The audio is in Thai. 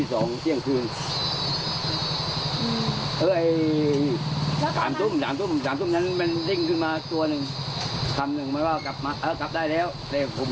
ไม่เห็นเลยครับเขาไม่ได้ไปด้วยกันเลยเพราะว่าเขาขึ้นตามผมไปอีกวันครับ